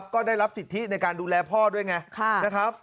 ก็ได้รับสิทธิในการดูแลพ่อด้วยไงนะครับ